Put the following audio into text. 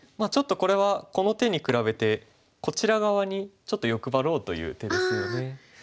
ちょっとこれはこの手に比べてこちら側にちょっと欲張ろうという手ですよね。